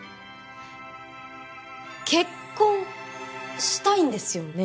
結婚したいんですよね？